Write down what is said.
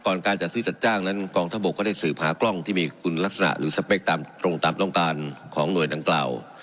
การจัดซื้อจัดจ้างนั้นกองทัพบกก็ได้สืบหากล้องที่มีคุณลักษณะหรือสเปคตามตรงตามต้องการของหน่วยดังกล่าว